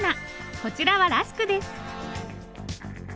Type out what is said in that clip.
こちらはラスクです。